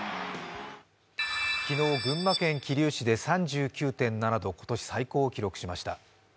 昨日、群馬県桐生市で３９．７度、今年最高を記録しました。